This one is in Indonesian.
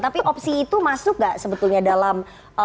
tapi opsi itu masuk nggak sebetulnya dalam